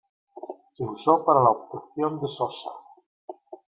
Se usó para la obtención de sosa.